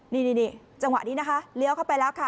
นี่จังหวะนี้นะคะเลี้ยวเข้าไปแล้วค่ะ